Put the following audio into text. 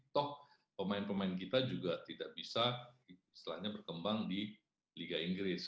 toh pemain pemain kita juga tidak bisa istilahnya berkembang di liga inggris